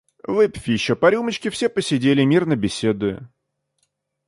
Выпив еще по рюмочке, все посидели, мирно беседуя.